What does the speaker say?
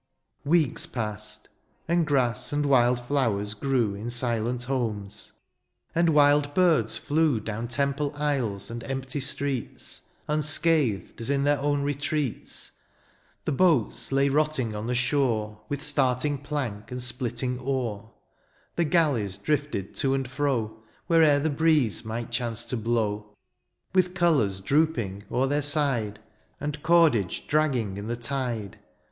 Weeks passed ; and grass and wild flowers grew In silent homes^ and wild birds flew Down temple aisles, and empty streets. Unscathed as in their own retreats. The boats lay rotting on the shore. With starting plank and splitting oar ; The gaUeys drifted to and fro. Where'er the breeze might chance to blow. With colours drooping o'er their side. And cordage dragging in the tide.